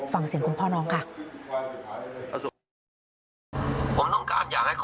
ฟังเสียงคุณพ่อน้องค่ะ